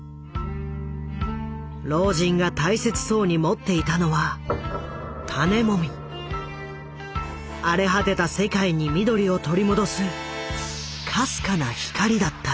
老人が大切そうに持っていたのは荒れ果てた世界に緑を取り戻すかすかな光だった。